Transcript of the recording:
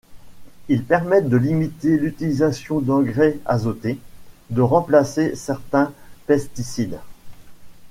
Ils permettent de limiter l'utilisation d'engrais azoté, de remplacer certains pesticides.